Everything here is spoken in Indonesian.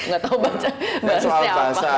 gak tau bahasa jawa